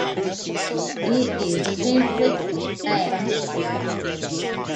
It is simply a fact.